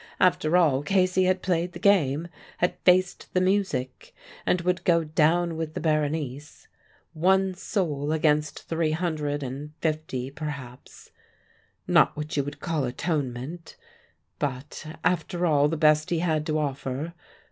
After all, Casey had played the game, had faced the music, and would go down with the Berenice. One soul against three hundred and fifty, perhaps; not what you would call atonement; but, after all, the best he had to offer.